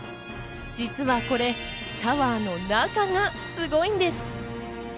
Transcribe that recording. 実はこれ、タワーの中がすごいんです。